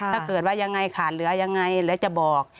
ถ้าเกิดว่ายังไงขาดเหลือยังไงหรือจะบอก